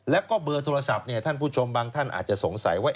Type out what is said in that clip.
แล้วก็เบอร์โทรศัพท์ท่านผู้ชมบางท่านอาจจะสงสัยว่า